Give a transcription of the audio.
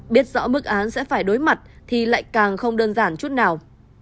biết rõ mức án sẽ phải đối mặt thì lại càng không đơn giản chút nào